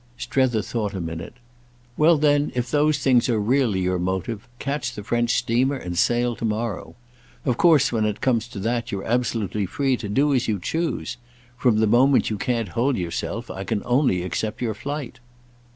Strether thought a minute. "Well then if those things are really your motive catch the French steamer and sail to morrow. Of course, when it comes to that, you're absolutely free to do as you choose. From the moment you can't hold yourself I can only accept your flight."